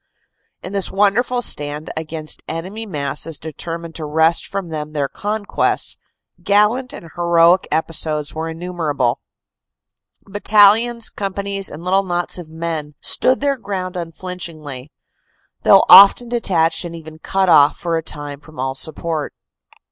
In this wonderful stand against enemy masses determined to wrest from them their conquests, gallant and heroic episodes were innumerable. Battalions, companies and little knots of men stood their ground unflinch ingly, though often detached and even cut off for a time from all support.